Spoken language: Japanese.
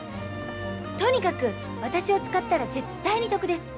とにかく私を使ったら絶対に得です。